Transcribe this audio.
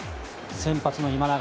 先発の今永。